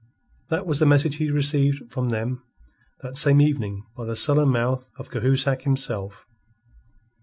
That was the message he received from them that same evening by the sullen mouth of Cahusac himself.